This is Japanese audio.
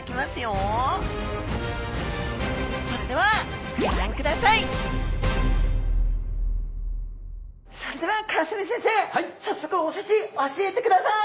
それではそれでは川澄先生早速お寿司教えてください！